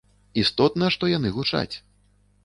Істотна, што яны гучаць.